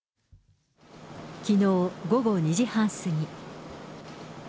きのう午後２時半過ぎ。